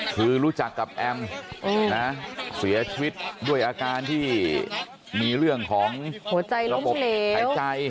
คือรู้จักกับแอมนะเสียชีวิตด้วยอาการที่มีเรื่องของหัวใจระบบหายใจ